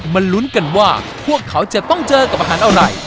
ลุ้นกันว่าพวกเขาจะต้องเจอกับอาหารอะไร